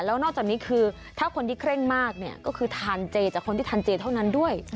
แล้วนอกจากนี้คือถ้าคนที่เคร่งมากเนี่ยก็คือทานเจจากคนที่ทานเจเท่านั้นด้วย